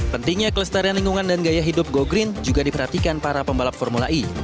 pentingnya kelestarian lingkungan dan gaya hidup go green juga diperhatikan para pembalap formula e